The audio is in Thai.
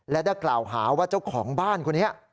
และได้กล่าวหาว่าเจ้าของบ้านคนนี้